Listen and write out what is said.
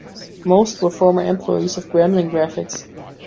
Most were former employees of Gremlin Graphics.